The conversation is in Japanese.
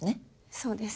そうです。